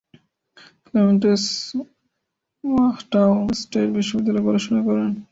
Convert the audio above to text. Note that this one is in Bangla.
ক্লেমেন্টস ওহাইও স্টেট বিশ্ববিদ্যালয়ে পড়াশোনা করেন।